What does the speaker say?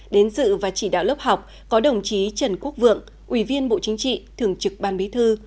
đến dự và chỉ đạo lớp học có đồng chí trần quốc vượng ủy viên bộ chính trị thường trực ban bí thư